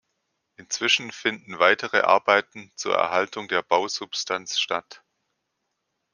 Inzwischen finden weitere Arbeiten zur Erhaltung der Bausubstanz statt.